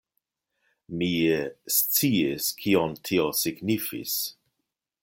Mi sciis, kion tio signifis.